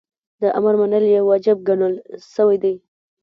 د امر منل یی واجب ګڼل سوی دی .